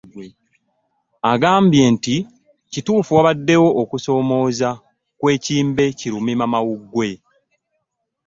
Ayambye nti kituufu wabaddewo okusoomooza kw'ekimbe kirumiimamawuggwe